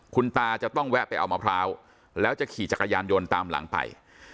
คุณตาจะต้องแวะไปเอามะพร้าวแล้วจะขี่จักรยานยนต์ตามหลังไป